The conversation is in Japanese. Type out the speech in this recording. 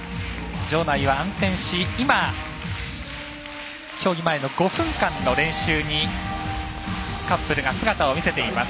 場内は暗転して今競技前の５分間の練習にカップルが姿を見せています。